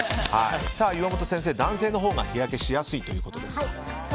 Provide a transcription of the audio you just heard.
岩本先生、男性のほうが日焼けしやすいということですか。